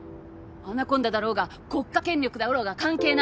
アナコンダだろうが国家権力だろうが関係ない。